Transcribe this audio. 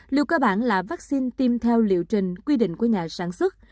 liều cơ bản là vaccine tiêm theo liệu trình quy định của nhà sản xuất